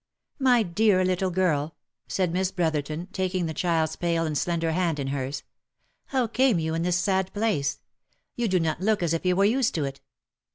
" My dear little girl!" said Miss Brotherton, taking the child's pale and slender hand in hers, " How came you in this sad place ? You do not look as if you were used to it."